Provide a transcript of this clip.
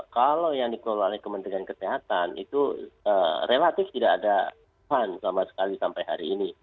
kalau yang dikelola oleh kementerian kesehatan itu relatif tidak ada fun sama sekali sampai hari ini